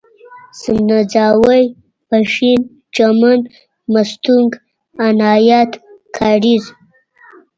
سنځاوۍ، پښين، چمن، مستونگ، عنايت کارېز